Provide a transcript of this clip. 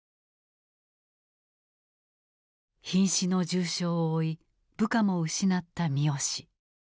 ひん死の重傷を負い部下も失った三好。